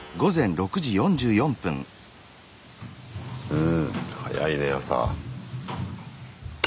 うん早いね朝。